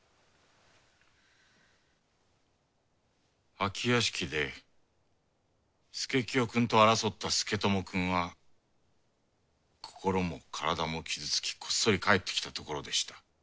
空き屋敷で佐清くんと争った佐智くんは心も体も傷つきこっそり帰ってきたところでした。